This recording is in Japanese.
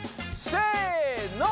せの。